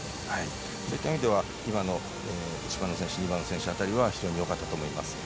そういった意味では今の１番の選手、２番の選手辺りは非常によかったと思います。